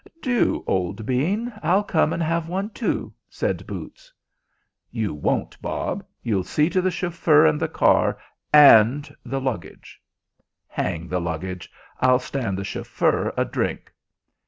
"Do, old bean. I'll come and have one, too," said boots. "You won't, Bob. You'll see to the chauffeur and the car, and the luggage." "Hang the luggage! I'll stand the chauffeur a drink."